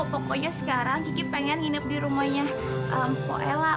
pokoknya sekarang kiki pengen nginep di rumahnya mpo ella